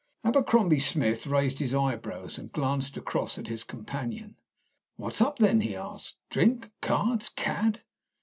Abercrombie Smith raised his eyebrows and glanced across at his companion. "What's up, then?" he asked. "Drink? Cards? Cad?